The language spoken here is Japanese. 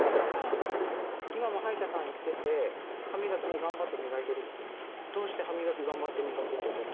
今も歯医者さん行ってて歯みがきもがんばって磨いてるの？